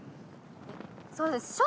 そうです